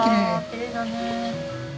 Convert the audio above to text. きれいだね。